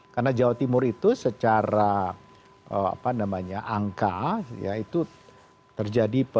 karena jawa timur itu secara angka itu terjadi